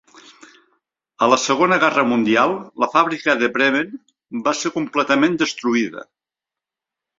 A la Segona Guerra Mundial, la fàbrica de Bremen va ser completament destruïda.